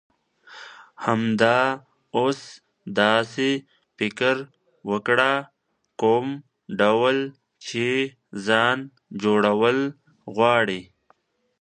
همدا اوس داسی فکر وکړه، کوم ډول چی ځان جوړول غواړی.